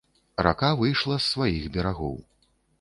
Рака выйшла з сваіх берагоў.